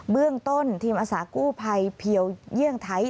เรื่องต้นทีมอาสากู้ภัยเพียวเยี่ยงไทย